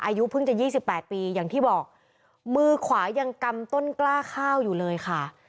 อายุเพิ่งจะ๒๘ปีอย่างที่บอกมือขวายังกำต้นกล้าข้าวอยู่เลยค่ะ